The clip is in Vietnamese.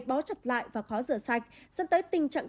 bó chặt lại và khó rửa sạch dẫn tới tình trạng